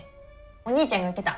お兄ちゃんが言ってた。